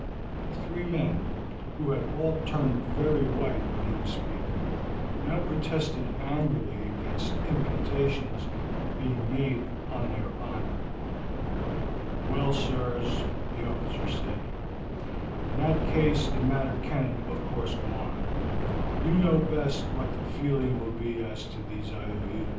The three men, who had all turned very white when he was speaking, now protested angrily against imputations being made on their honor. "Well, sirs," the officer said, "in that case the matter can, of course, go on. You know best what the feeling will be as to these IOUs.